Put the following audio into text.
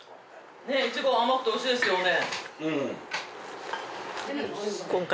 ・イチゴ甘くておいしいですよね。